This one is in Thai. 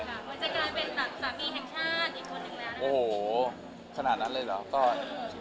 มีคนอยากอยากทิ้งจะมาเป็นสามีแฮทชานอีกคนทิ้งหน้าหนึ่ง